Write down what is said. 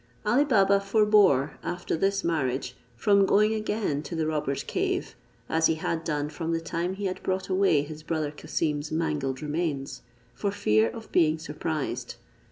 Ali Baba forbore, after this marriage, from going again to the robbers' cave, as he had done from the time he had brought away his brother Cassim's mangled remains, for fear of being surprised.